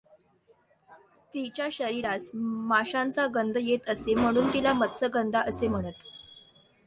तिच्या शरिरास माशांचा गंध येत असे म्हणून तिला मत्स्यगंधा असे म्हणत.